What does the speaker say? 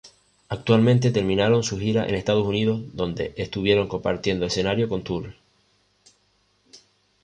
Actualmente terminaron su gira en Estados Unidos, donde estuvieron compartiendo escenario con Tool.